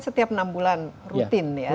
mereka kan setiap enam bulan rutin ya